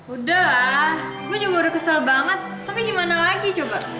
udah lah gue juga udah kesel banget tapi gimana lagi coba